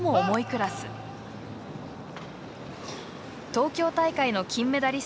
東京大会の金メダリスト